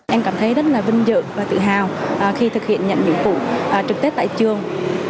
em cảm thấy rất là vinh dự và tự hào khi thực hiện nhận nhiệm vụ trực tết tại trường